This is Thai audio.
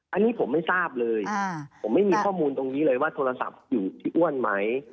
อันนี้ผมไม่ทราบเลยผมไม่มีข้อมูลตรงนี้เลยว่าโทรศัพท์อยู่ที่อ้วนไหม